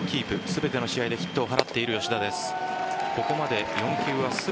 全ての試合でヒットを放っている吉田です。